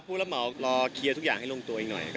ผู้รับเหมารอเคลียร์ทุกอย่างให้ลงตัวอีกหน่อย